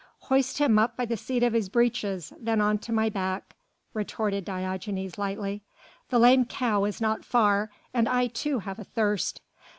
"Hoist him up by the seat of his breeches, then on to my back," retorted Diogenes lightly. "The 'Lame Cow' is not far, and I too have a thirst."